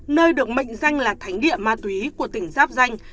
nơi được mệnh danh là thánh địa ma túy của tỉnh giáp danh